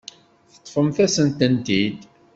Teṭṭfemt-asen-tent-id.